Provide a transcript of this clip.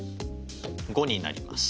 ５になります。